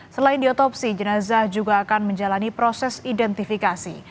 selain diotopsi jenazah juga akan menjalani proses identifikasi